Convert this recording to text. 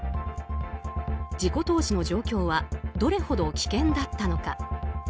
事故当時の状況はどれほど危険だったのか。